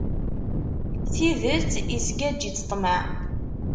Tidet isgaǧ-itt ṭṭmaɛ.